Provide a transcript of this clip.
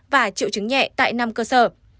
và triệu chứng nhẹ tại năm cơ sở